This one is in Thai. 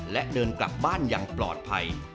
และเดินกลับบ้านอย่างปลอดภัย